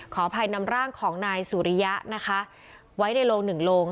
ขออภัยนำร่างของนายสุริยะนะคะไว้ในโลงหนึ่งโลง